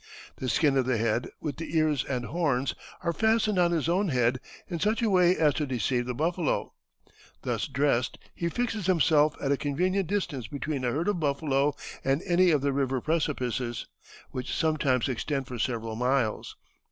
The skin of the head, with the ears and horns, are fastened on his own head in such a way as to deceive the buffalo. Thus dressed he fixes himself at a convenient distance between a herd of buffalo and any of the river precipices, which sometimes extend for several miles.